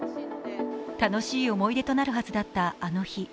楽しい思い出となるはずだったあの日。